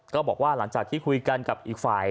ก็บอกว่าหลังจากที่คุยกันกับอีกฝ่าย